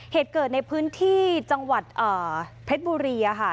เหตุเกิดในพื้นที่จังหวัดเพชรบุรีค่ะ